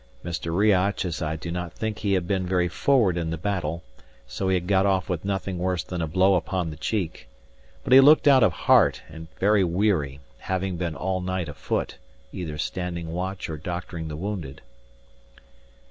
Mr. Riach, as I do not think he had been very forward in the battle, so he had got off with nothing worse than a blow upon the cheek: but he looked out of heart and very weary, having been all night afoot, either standing watch or doctoring the wounded.